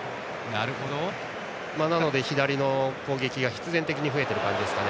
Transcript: なので、左の攻撃が必然的に増えている感じですね。